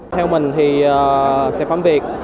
theo mình thì sẽ phát biệt